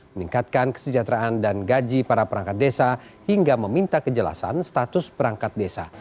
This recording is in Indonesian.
meningkatkan kesejahteraan dan gaji para perangkat desa hingga meminta kejelasan status perangkat desa